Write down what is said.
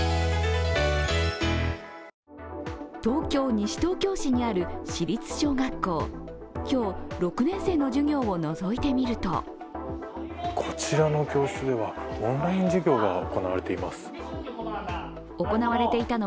東京・西東京市にある市立小学校今日、６年生の授業をのぞいてみるとこちらの教室ではオンライン授業が行われています。